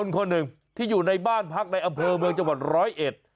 คน๑ที่อยู่ในบ้านพักในอำเภอเมืองจังหวัด๑๐๑